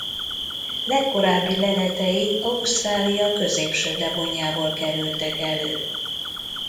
Legkorábbi leletei Ausztrália középső devonjából kerültek elő.